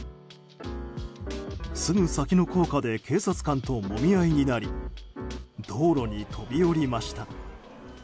すぐ先の高架で警察官ともみ合いになり道路に飛び降りました。